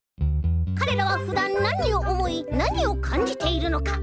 かれらはふだんなにをおもいなにをかんじているのか。